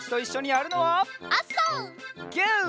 ギュー！